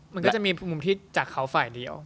มันก็จะมีมุมที่จากเขาฝ่ายเดียว